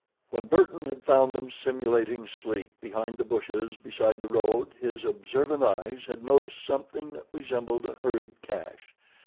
When Burton had found them simulating sleep behind the bushes beside the road his observant eyes had noticed something that resembled a hurried cache.